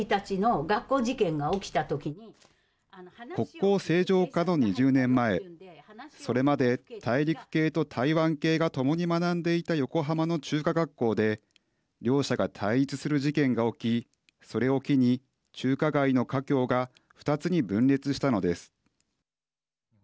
国交正常化の２０年前それまで大陸系と台湾系が共に学んでいた横浜の中華学校で両者が対立する事件が起きそれを機に中華街の華僑が２つに分裂したのです。